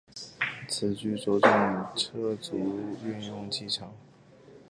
此局着重车卒运用技巧。